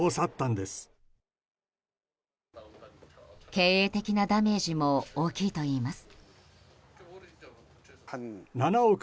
経営的なダメージも大きいといいます。